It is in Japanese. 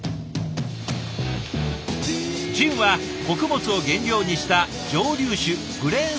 ジンは穀物を原料にした蒸留酒グレーン